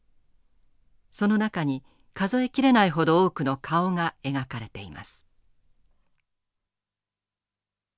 その中に数え切れないほど多くの顔が描かれています。